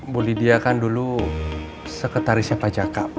bu lydia kan dulu sekretarisnya pajak